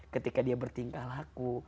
ketika dia bertingkah laku